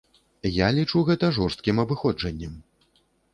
Я лічу гэта жорсткім абыходжаннем.